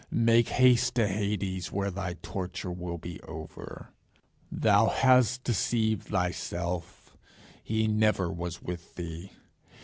Make haste to Hades, where thy torture will be over. Thou hast deceived thyself. He never was with thee.